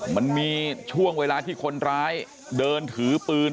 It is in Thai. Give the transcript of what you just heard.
มันมีช่วงเวลาที่คนร้ายเดินถือปืน